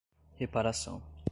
reparação